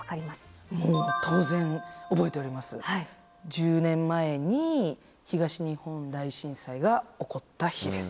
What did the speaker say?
１０年前に東日本大震災が起こった日です。